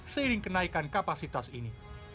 seiring kenaikan kapasitas ini